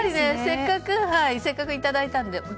せっかくいただいたので。